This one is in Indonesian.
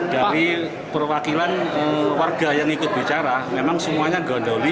dari perwakilan warga yang ikut bicara memang semuanya gondoli